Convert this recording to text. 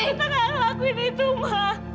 aku tak akan ngelakuin itu ma